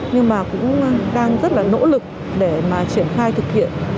nhưng mà cũng đang rất là nỗ lực để mà triển khai thực hiện